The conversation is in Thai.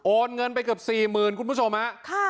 โอนเงินไปเกือบสี่หมื่นคุณผู้ชมฮะค่ะ